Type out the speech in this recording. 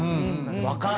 分かる！